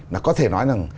là có thể nói rằng